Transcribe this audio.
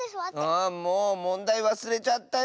あもうもんだいわすれちゃったよ。